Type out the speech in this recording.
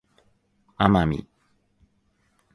奄美